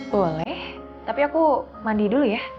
boleh tapi aku mandi dulu ya